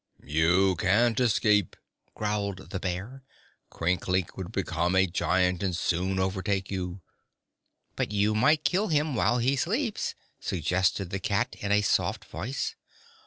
"You can't escape," growled the bear. "Crinklink would become a giant, and soon overtake you." "But you might kill him while he sleeps," suggested the cat, in a soft voice.